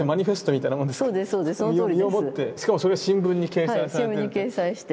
しかもそれが新聞に掲載されて。